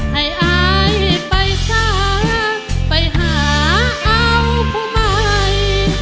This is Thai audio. ให้อายไปซะไปหาเอาผู้ใหม่